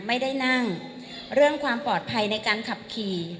ไม่ได้นั่งเรื่องความปลอดภัยในการขับขี่